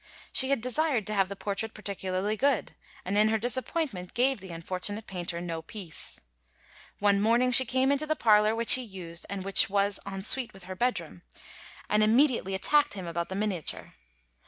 She had desired to have the portrait particularly good, and in her disappointment gave the unfortunate painter no peace. One morning she came into the parlour which he used, and which was en suite with her bedroom, and immediately attacked him about the miniature.